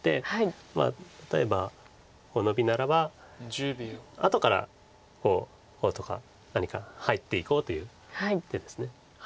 例えばノビならば後からこうこうとか何か入っていこうという手です。